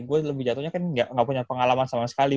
gue lebih jatuhnya kan gak punya pengalaman sama sekali